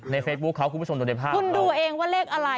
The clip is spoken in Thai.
ในเฟสบุ๊คคุณผู้ชมโดยภาพคุณดูเองว่าเลขอะไร